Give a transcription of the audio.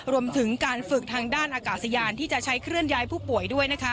รวมถึงการฝึกทางด้านอากาศยานที่จะใช้เคลื่อนย้ายผู้ป่วยด้วยนะคะ